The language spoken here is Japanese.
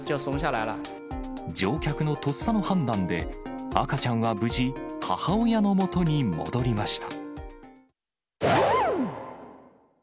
乗客のとっさの判断で、赤ちゃんは無事、母親のもとに戻りました。